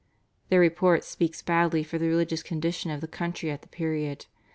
Their report speaks badly for the religious condition of the country at the period.